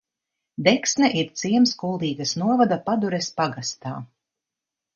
Deksne ir ciems Kuldīgas novada Padures pagastā.